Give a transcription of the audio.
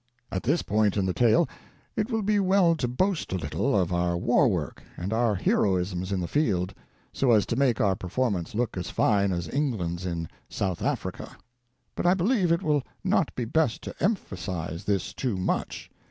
At this point in the tale, it will be well to boast a little of our war work and our heroisms in the field, so as to make our per formance look as fine as England's in South Africa ; but I believe it will not be best to emphasize this too much.